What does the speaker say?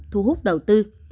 thu hút đầu tư